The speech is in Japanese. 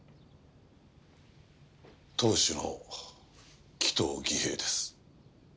当主の鬼頭儀兵衛です。